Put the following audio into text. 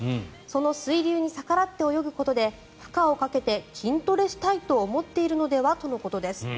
その水流に逆らって泳ぐことで負荷をかけて筋トレしたいと思っているのではとのことです。